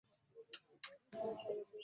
Lwonna ne lufuuka ekitakyasanyua tuludibaze .